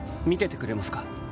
見ててくれますか？